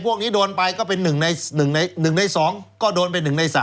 พวกนี้โดนไปก็เป็น๑ใน๒ก็โดนไป๑ใน๓